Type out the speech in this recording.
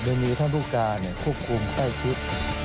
โดยมีท่านผู้การควบคุมใกล้ชิด